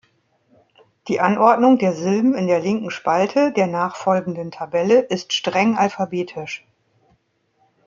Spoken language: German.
Die Anordnung der Silben in der linken Spalte der nachfolgenden Tabelle ist streng alphabetisch.